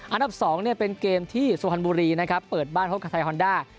อันดับ๒เป็นเกมที่สุพรรณบุรีนะครับเปิดบ้านพบกับไทยฮอนด้า